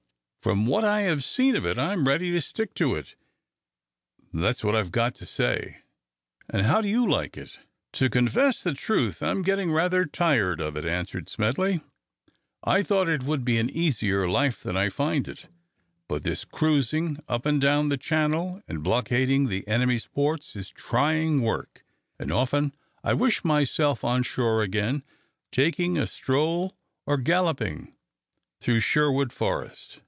"From what I have seen of it, I am ready to stick to it; that's what I've got to say. And how do you like it?" "To confess the truth, I am getting rather tired of it," answered Smedley. "I thought it would be an easier life than I find it, but this cruising up and down the Channel and blockading the enemy's ports is trying work, and often I wish myself on shore again, taking a stroll or galloping through Sherwood Forest."